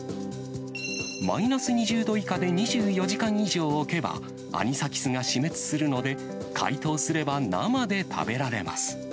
マイナス２０度以下で２４時間以上置けば、アニサキスが死滅するので、解凍すれば生で食べられます。